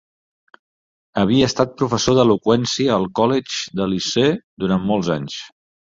Havia estat professor d'eloqüència al Collège de Lisieux durant molts anys.